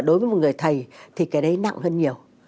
đối với một người thầy thì cái đấy nặng hơn nhiều